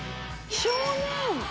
少年！